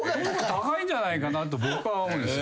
高いんじゃないかなと僕は思うんですね。